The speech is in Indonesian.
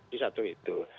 di satu itu